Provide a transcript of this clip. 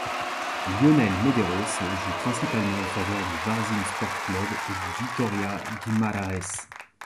Lionel Medeiros joue principalement en faveur du Varzim Sport Club et du Vitoria Guimarães.